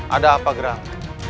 ada apa gerang